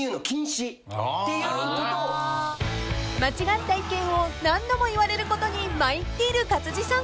［間違った意見を何度も言われることに参っている勝地さん］